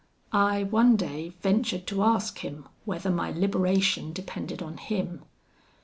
"I, one day, ventured to ask him whether my liberation depended on him.